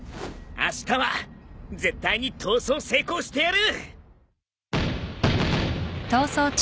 あしたは絶対に逃走成功してやる！